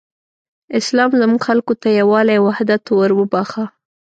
اسلام زموږ خلکو ته یووالی او حدت وروباښه.